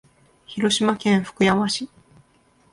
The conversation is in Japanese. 広島県福山市